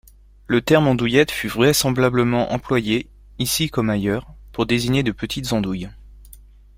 Le terme andouillette fut vraisemblablement employé, ici comme ailleurs, pour désigner de petites andouilles.